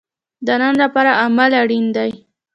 د نن لپاره عمل اړین دی